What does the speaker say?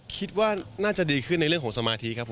คิดว่าน่าจะดีขึ้นในเรื่องของสมาธิครับ